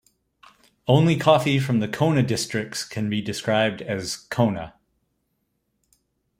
Only coffee from the Kona Districts can be described as "Kona".